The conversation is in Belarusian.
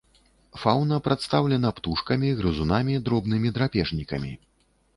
Фаўна прадстаўлена птушкамі, грызунамі, дробнымі драпежнікамі.